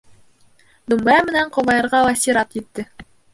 Думбыра менән ҡобайырға ла сират етте.